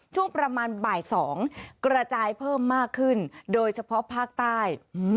ช่วงประมาณบ่าย๒กระจายเพิ่มมากขึ้นโดยเฉพาะภาคใต้